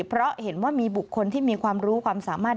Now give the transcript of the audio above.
เพราะเห็นว่ามีบุคคลที่มีความรู้ความสามารถ